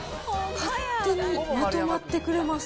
勝手にまとまってくれます。